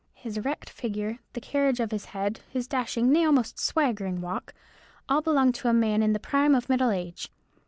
His erect figure, the carriage of his head, his dashing, nay, almost swaggering walk, all belonged to a man in the prime of middle age.